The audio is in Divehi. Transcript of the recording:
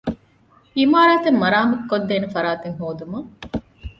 ޢިމާރާތެއް މަރާމާތުކޮށްދޭނެ ފަރާތެއް ހޯދުމަށް